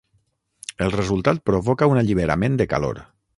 El resultat provoca un alliberament de calor.